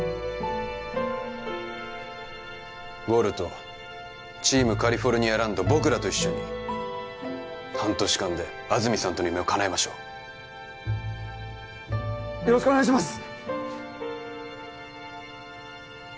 ウォルトチームカリフォルニアランド僕らと一緒に半年間で安住さんとの夢をかなえましょうよろしくお願いします